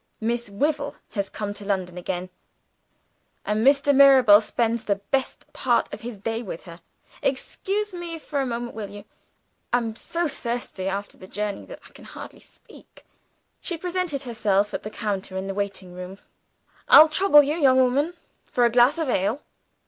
Miss Wyvil has come to London again; and Mr. Mirabel spends the best part of his time with her. Excuse me for a moment, will you? I'm so thirsty after the journey, I can hardly speak." She presented herself at the counter in the waiting room. "I'll trouble you, young woman, for a glass of ale."